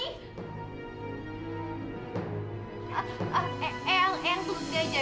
eyang eyang tunggu dia aja